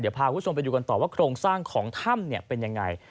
พาคุณผู้ชมไปดูกันต่อว่าโครงสร้างของถ้ำเป็นยังไง